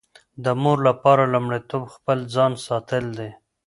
د مور لپاره لومړیتوب خپل ځان ساتل دي.